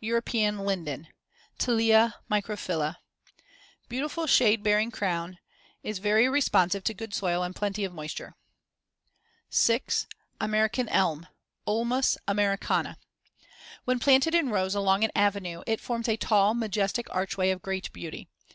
European linden (Tilia microphylla) Beautiful shade bearing crown; is very responsive to good soil and plenty of moisture. 6. American elm (Ulmus americana) When planted in rows along an avenue, it forms a tall majestic archway of great beauty.